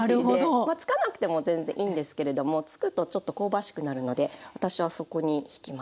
まあつかなくても全然いいんですけれどもつくとちょっと香ばしくなるので私は底にしきます。